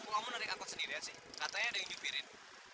kamu narik angkot sendiri ya katanya ada yang jupirin